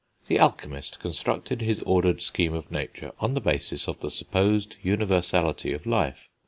The alchemist constructed his ordered scheme of nature on the basis of the supposed universality of life.